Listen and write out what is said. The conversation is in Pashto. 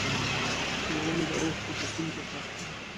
زړه مې د اوښکو په سیند کې ښخ شو.